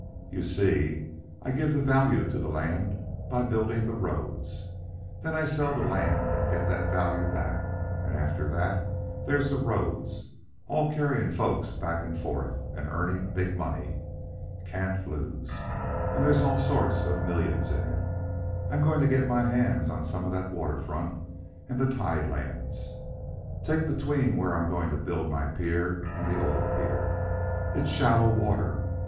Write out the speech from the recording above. "You see, I give the value to the land by building the roads. Then I sell the land and get that value back, and after that, there's the roads, all carrying folks back and forth and earning big money. Can't lose. And there's all sorts of millions in it. "I'm going to get my hands on some of that water front and the tide lands. Take between where I'm going to build my pier and the old pier. It's shallow water.